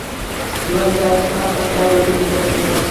دویم دا چې هر فرد باید وپېژندل شي.